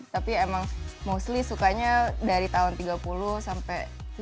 tapi emang mostly sukanya dari tahun tiga puluh sampai tujuh puluh lah gitu